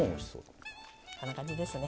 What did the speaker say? こんな感じですね。